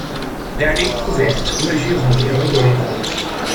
L'allée couverte mesure environ de long.